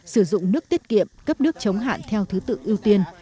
sử dụng nước tiết kiệm cấp nước chống hạn theo thứ tự ưu tiên